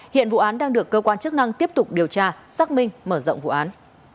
hiện vụ án đang được cơ quan chức năng tiếp tục điều tra xác minh mở rộng vụ án